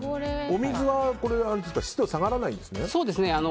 お水は湿度は下がらないんですね。